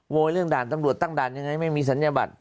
เรื่องด่านตำรวจตั้งด่านยังไงไม่มีศัลยบัตร